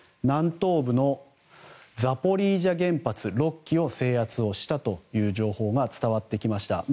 南東部のザポリージャ原発６基を制圧したという情報が伝わってきました。